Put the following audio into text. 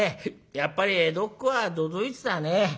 やっぱり江戸っ子は都々逸だね。